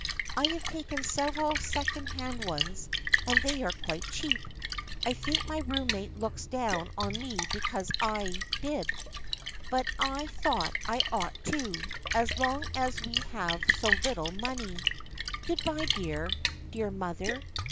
I have taken several second hand ones and they are quite cheap. I think my roommate looks down on me because I did, but I thought I ought to, as long as we have so little money. Good bye, dear, dear mother.